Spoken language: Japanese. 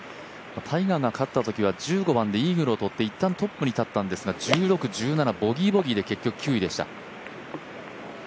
タイガーが勝ったときは１５番でイーグルをとっていったんトップに立ったんですが１６、１７、ボギー、ボギーで結局９位でした。